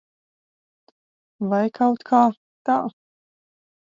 Vai kaut kā tā.